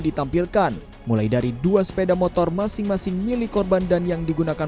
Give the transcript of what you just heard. ditampilkan mulai dari dua sepeda motor masing masing milik korban dan yang digunakan